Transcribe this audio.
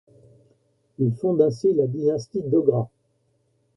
Il fonde ainsi la dynastie Dogra.